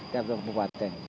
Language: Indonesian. di tiap tiap kabupaten